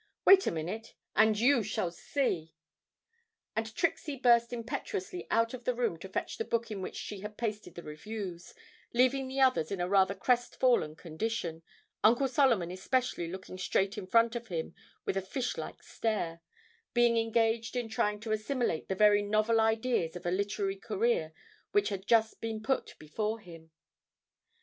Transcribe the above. Wait a minute, and you shall see!' And Trixie burst impetuously out of the room to fetch the book in which she had pasted the reviews, leaving the others in a rather crestfallen condition, Uncle Solomon especially looking straight in front of him with a fish like stare, being engaged in trying to assimilate the very novel ideas of a literary career which had just been put before him.